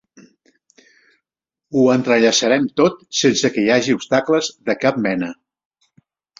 Ho entrellaçarem tot sense que hi hagi obstacles de cap mena.